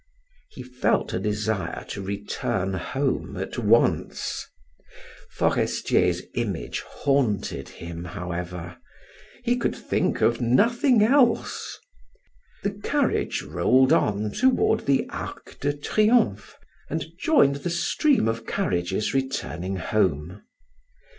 He felt a desire to return home at once. Forestier's image haunted him, however; he could think of nothing else. The carriage rolled on toward the Arc de Triomphe and joined the stream of carriages returning home.